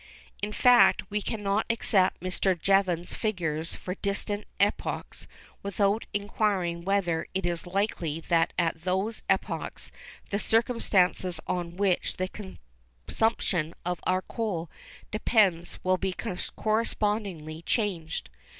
In fact, we cannot accept Mr. Jevons's figures for distant epochs without first inquiring whether it is likely that at those epochs the circumstances on which the consumption of our coal depends will be correspondingly changed.